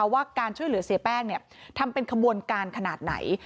ว่าการช่วยเหลือเสียแป้งทำเป็นขบวนการขนาดไหน